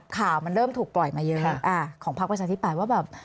ข่าวมันเริ่มถูกปล่อยมาเยอะของพักประชาธิปัตย์ว่าแบบ